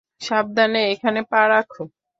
সাবধানে, এখানে পা রাখ।